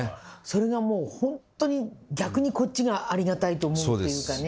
それがもうホントに逆にこっちがありがたいと思うっていうかね。